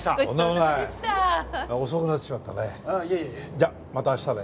じゃあまた明日ね。